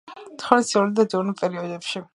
ცხოვრობენ სილურულ და დევონურ პერიოდებში.